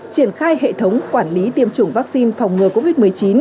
triển khai hệ thống quản lý tiêm chủng vaccine phòng ngừa covid một mươi chín